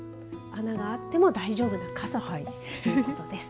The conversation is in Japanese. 穴があっても大丈夫な傘ということです。